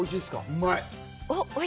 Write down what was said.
うまい。